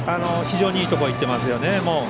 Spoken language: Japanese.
非常にいいところに行っていますよね。